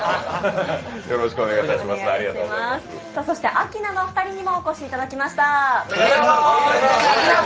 アキナのお二人にもお越しいただきました。